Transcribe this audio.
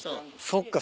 そっか。